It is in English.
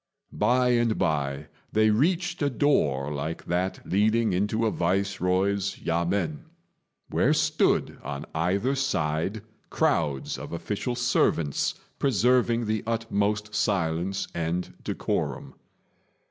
By and by they reached a door like that leading into a Viceroy's yamên, where stood on either side crowds of official servants, preserving the utmost silence and decorum.